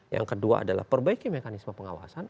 yang kedua adalah perbaiki mekanisme pengawasan